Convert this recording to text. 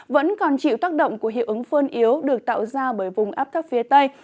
vẫn còn chịu tác động của hiệu ứng phơn yếu được tạo ra bởi vùng áp thấp phía tây